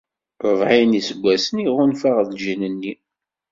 Rebɛin n yiseggasen i ɣunfaɣ lǧil-nni.